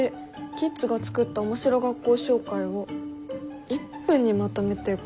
キッズが作った面白学校紹介を１分にまとめてご紹介」？